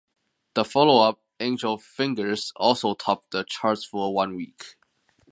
The follow-up, "Angel Fingers", also topped the charts for one week.